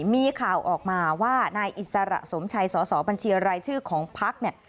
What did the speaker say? มีข่าวออกมาว่านายอิสระสมชัยสสบัญชีรายชื่อของพักเนี่ย